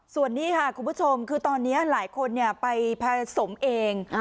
ส่วนนี้ค่ะคุณผู้ชมคือตอนนี้หลายคนไปผสมเอง